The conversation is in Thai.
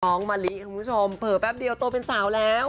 มะลิคุณผู้ชมเผลอแป๊บเดียวโตเป็นสาวแล้ว